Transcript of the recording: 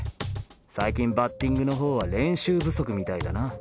最近バッティングの方は練習不足みたいだな。